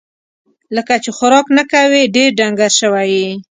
لکه چې خوراک نه کوې ، ډېر ډنګر سوی یې